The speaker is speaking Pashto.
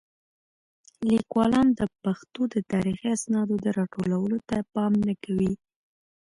لیکوالان د پښتو د تاریخي اسنادو د راټولولو ته پام نه کوي.